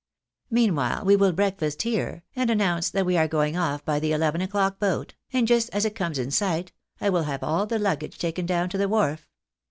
Mean time we will breakfast here, and announce that we are going off by the eleven o'clock boat, and just as it comes in sight I will have all the luggage taken down to the wharf.